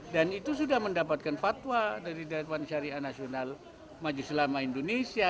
dan itu sudah mendapatkan fatwa dari daerah syariah nasional majelis ulama indonesia